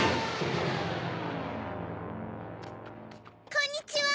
こんにちは！